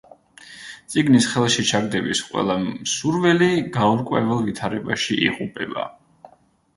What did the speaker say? წიგნის ხელში ჩაგდების ყველა მსურველი გაურკვეველ ვითარებაში იღუპება.